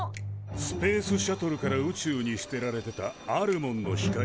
スペースシャトルから宇宙に捨てられてたあるモンの光なんだ。